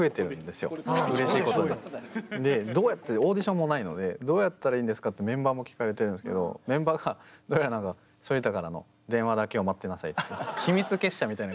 でどうやってオーディションもないのでどうやったらいいんですか？ってメンバーも聞かれてるんですけどメンバーがどうやらなんか秘密結社みたいな。